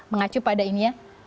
mengacu pada ini ya